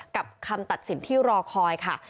คำตัดสินที่รอคอยค่ะ